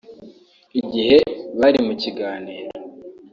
igihe bari mu kiganiro